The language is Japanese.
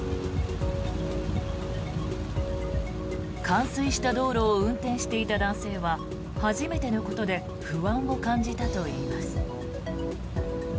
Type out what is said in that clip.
冠水した道路を運転していた男性は初めてのことで不安を感じたといいます。